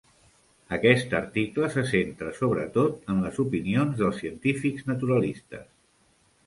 Aquest article se centra sobretot en les opinions dels científics naturalistes.